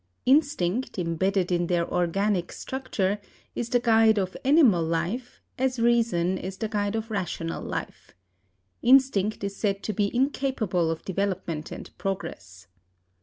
Instinct, imbedded in their organic structure, is the guide of animal life as reason is the guide of rational life. Instinct is said to be incapable of development and progress.